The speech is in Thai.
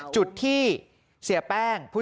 จุดที่เสียแป้ง